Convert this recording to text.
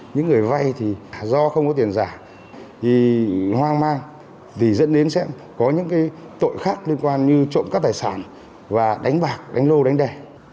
nếu người vai không có tiền giả thì hoang mang thì dẫn đến sẽ có những tội khác liên quan như trộm các tài sản và đánh bạc đánh lô đánh đè